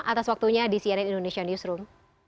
atas waktunya di cnn indonesia newsroom